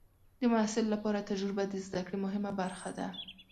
د محصل لپاره تجربه د زده کړې مهمه برخه ده.